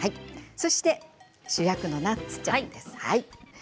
そして主役のナッツちゃんです。